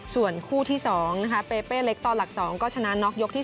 ส่วนคู่ที่๒นะคะเปเป้เล็กต่อหลัก๒ก็ชนะน็อกยกที่๓